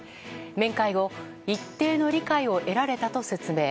面会後一定の理解を得られたと説明。